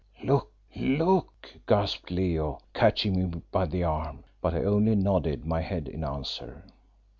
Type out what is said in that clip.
"Look, look!" gasped Leo, catching me by the arm; but I only nodded my head in answer.